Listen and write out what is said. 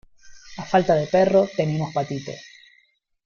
a falta de perro, tenemos patito.